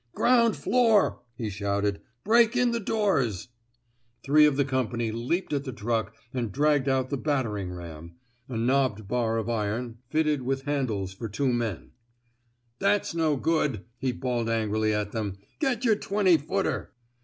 Ground floor I '' he shouted. Break in the doors I Three of the company leaped at the truck and dragged out the battering ram — a knobbed bar of iron, fitted with 228 A QUESTION OF BETIBEMENT handles for two men. " That's no good,'* he bawled angrily at them. *' Get yer twenty footer!